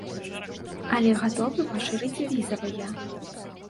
Але гатовы пашырыць візавыя.